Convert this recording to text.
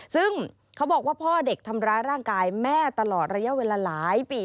ซึ่งเขาบอกว่าพ่อเด็กทำร้ายร่างกายแม่ตลอดระยะเวลาหลายปี